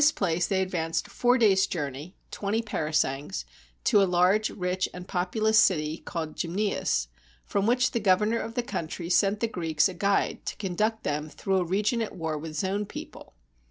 174 THE TEN THOUSAND COME TO THE SEA they advanced four days' journey, twenty parasangs, to a large, rich, and populous city, called Gymnias, from which the governor of the country sent the Greeks a guide, to conduct them through a region at war with his own people.